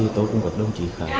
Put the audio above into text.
tôi cũng gặp đồng chí khải